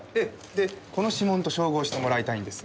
でこの指紋と照合してもらいたいんです。